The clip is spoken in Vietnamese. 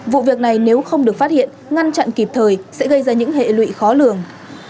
vụ việc này nếu không được phát hiện ngăn chặn kịp thời sẽ gây ra những hệ lụy khó lường